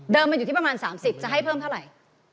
มันอยู่ที่ประมาณ๓๐จะให้เพิ่มเท่าไหร่